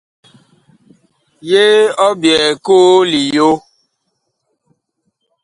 Yee ɔ byɛɛ ma koo liyo ?